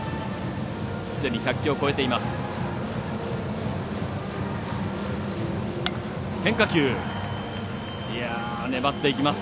すでに１００球を超えています。